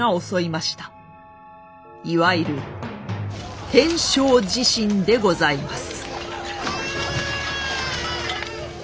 いわゆる天正地震でございます。